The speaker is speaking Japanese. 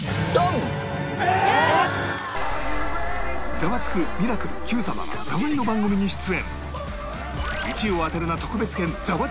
『ザワつく！』『ミラクル』『Ｑ さま！！』が互いの番組に出演